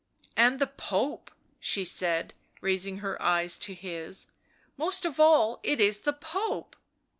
"And the Pope," she said, raising her eyes to his; " most of all it is the Pope."